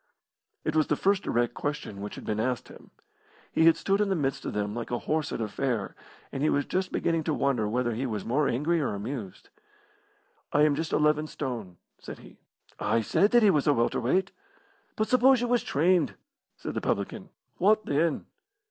It was the first direct question which had been asked him. He had stood in the midst of them like a horse at a fair, and he was just beginning to wonder whether he was more angry or amused. "I am just eleven stone," said he. "I said that he was a welter weight." "But suppose you was trained?" said the publican. "Wot then?"